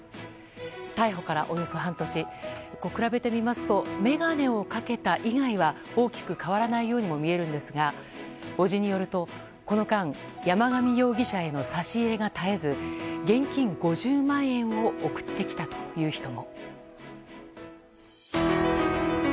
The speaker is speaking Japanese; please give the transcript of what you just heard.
逮捕からおよそ半年比べてみますと眼鏡をかけた以外は大きく変わらないように見えるんですが伯父によると、この間山上容疑者への差し入れが絶えず現金５０万円を送ってきたという人も。